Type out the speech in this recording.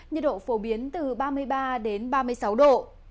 nhiệt độ phổ biến từ ba mươi ba đến ba mươi sáu độ